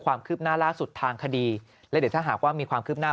ความคืบหน้าล่าสุดทางคดีและเดี๋ยวถ้าหากว่ามีความคืบหน้า